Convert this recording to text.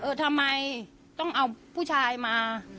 ทำไมต้องเอาผู้ชายมา